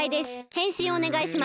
へんしんおねがいします。